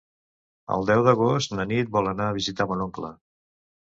El deu d'agost na Nit vol anar a visitar mon oncle.